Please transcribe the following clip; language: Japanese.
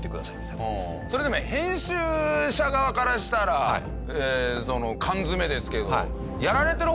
それでも編集者側からしたら缶詰めですけど。